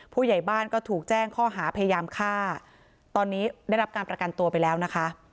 ผู้ใหญ่บ้านก็ถูกแจ้งข้อหาพยายามฆ่าตอนนี้ได้รับการประกันตัวไปแล้วนะคะ